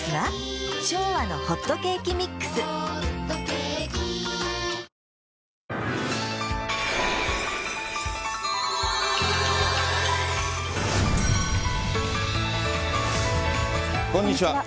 当時、こんにちは。